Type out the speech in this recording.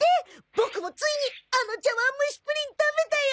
ボクもついにあの茶わんむしプリン食べたよ！